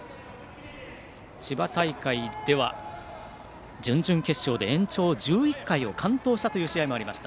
千葉大会では準々決勝で延長１１回を完投した試合もありました。